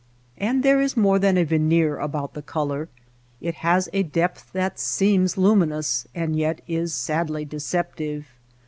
And there is more than a veneer about the color. It has a depth that seems luminous and yet is sadly deceptive.